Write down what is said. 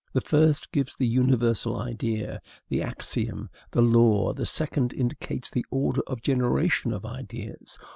The first gives the universal idea, the axiom, the law; the second indicates the order of generation of ideas.